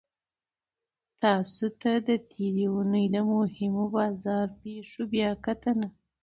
تاسو ته د تیرې اونۍ د مهمو بازار پیښو بیاکتنه